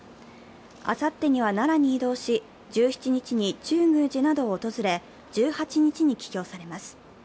あさってには奈良に移動し、１９日に中宮寺などを訪れ、１８日に帰京されます。